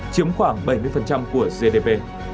chiếm khoảng bảy mươi của gdp